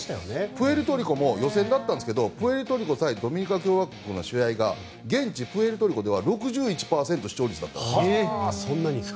プエルトリコも予選だったんですけどプエルトリコ対ドミニカ共和国の試合が現地プエルトリコでは６１％の視聴率だった。